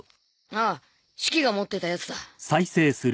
ああシキが持ってたやつだ